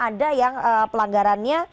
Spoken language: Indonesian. ada yang pelanggarannya